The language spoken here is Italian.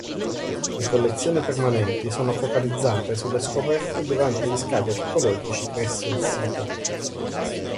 Le collezioni permanenti sono focalizzate sulle scoperte durante gli scavi archeologici presso il sito.